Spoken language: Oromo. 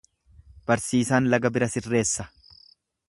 Barsiisaan laga bira sirreessa.